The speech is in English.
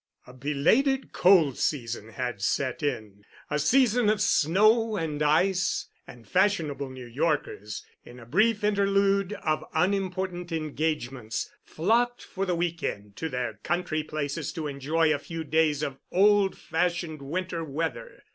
A belated cold season had set in—a season of snow and ice; and fashionable New Yorkers, in a brief interlude of unimportant engagements, flocked for the week end to their country places to enjoy a few days of old fashioned winter weather.